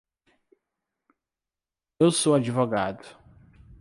Eu sou advogado.